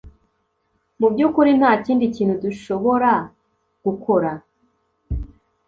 Mubyukuri ntakindi kintu dushobora gukora